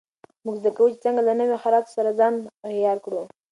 موږ زده کوو چې څنګه له نویو حالاتو سره ځان عیار کړو.